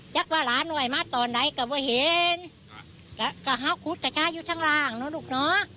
ยักษ์ว่าหลานไว้มาตอนไหนกะว่าเห็นกะกะเฮ้าขุดกะชายอยู่ทั้งหลังน่ะลูกน้อ